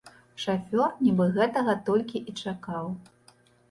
Шафёр нібы гэтага толькі і чакаў.